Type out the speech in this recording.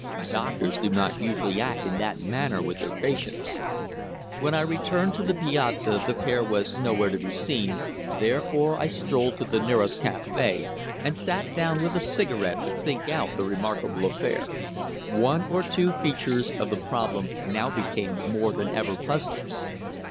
Doctors do not usually act in that manner with their patients. When I returned to the Piazza the pair were nowhere to be seen, therefore I strolled to the nearest café, and sat down with a cigarette to think out the remarkable affair. One or two features of the problem now became more than ever puzzling.